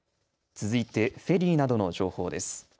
続いてフェリーなどの情報です。